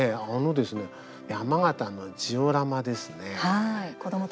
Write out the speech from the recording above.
山形のジオラマですね。